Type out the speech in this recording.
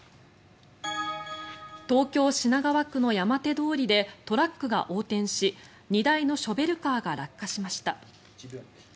東京・品川区の山手通りでトラックが横転し荷台のショベルカーが落下しました。